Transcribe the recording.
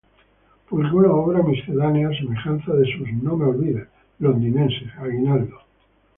Publicó una obra miscelánea a semejanza de sus "No me olvides" londinenses, "Aguinaldo".